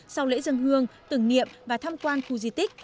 sau lễ dân hương tưởng niệm và tham quan khu di tích